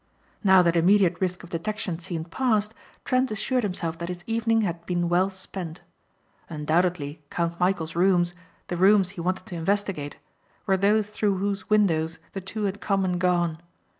Now that immediate risk of detection seemed past Trent assured himself that his evening had been well spent. Undoubtedly Count Michæl's rooms, the rooms he wanted to investigate were those through whose windows the two had come and gone.